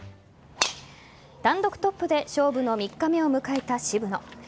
単独トップで勝負の３日目を迎えた渋野。